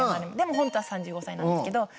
でも本当は３５歳なんですけど。